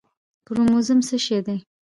کروموزوم څه شی دی